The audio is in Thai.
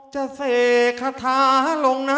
เจ้าเศษคาทาลงนั้น